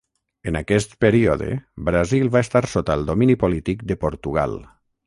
En aquest període, Brasil va estar sota el domini polític de Portugal.